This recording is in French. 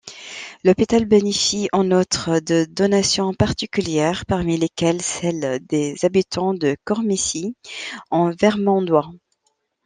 L'hôpital bénéficie, en outre, de donations particulières, parmi lesquelles celle des habitants de Cormicy-en-Vermandois.